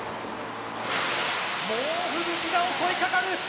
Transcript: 猛吹雪が襲いかかる。